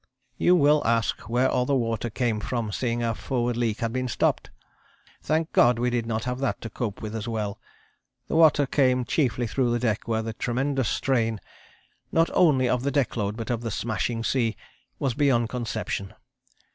"You will ask where all the water came from seeing our forward leak had been stopped. Thank God we did not have that to cope with as well. The water came chiefly through the deck where the tremendous strain, not only of the deck load, but of the smashing seas, was beyond conception.